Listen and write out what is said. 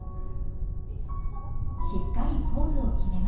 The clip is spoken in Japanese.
しっかりポーズを決めました。